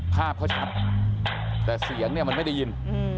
ภาพเขาชัดแต่เสียงเนี่ยมันไม่ได้ยิน